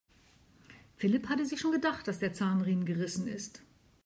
Philipp hatte sich schon gedacht, dass der Zahnriemen gerissen ist.